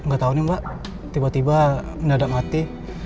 gak tau nih mbak tiba tiba mendadak mati